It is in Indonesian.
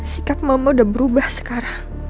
sikap mama udah berubah sekarang